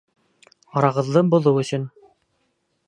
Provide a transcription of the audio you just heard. Арағыҙҙы боҙоу өсөн.